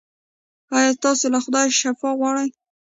ایا تاسو له خدایه شفا غواړئ؟